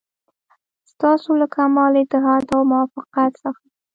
ستاسو له کمال اتحاد او موافقت څخه.